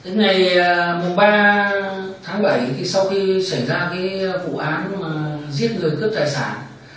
đến ngày ba tháng bảy sau khi xảy ra vụ án giết người cướp tài sản